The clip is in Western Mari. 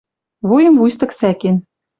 Вуйым вуйстык сӓкен.